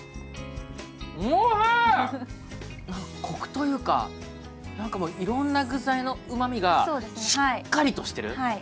コクというかなんかいろんな具材のうまみがしっかりとしてる。